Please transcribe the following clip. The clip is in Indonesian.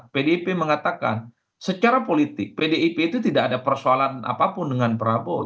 pdip mengatakan secara politik pdip itu tidak ada persoalan apapun dengan prabowo